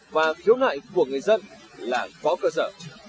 và khiếu nại của người dân là có cơ sở